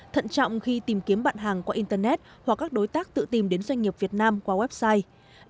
thận trọng khi tìm kiếm bạn hàng qua internet hoặc các đối tác tự tìm đến doanh nghiệp việt nam qua website